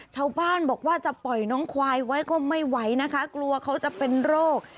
ชาวบ้านบอกว่าจะปล่อยน้องควายไว้ก็ไม่ไหวนะคะกลัวเขาจะเป็นโรค